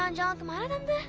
ih ngomel banget sih